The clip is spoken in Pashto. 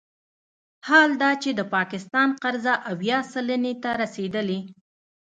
حال دا چې د پاکستان قرضه اویا سلنې ته رسیدلې